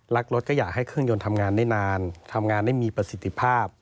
รถก็อยากให้เครื่องยนต์ทำงานได้นานทำงานได้มีประสิทธิภาพ